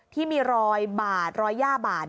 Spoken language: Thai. ที่มีรอยบาดรอยย่าบาด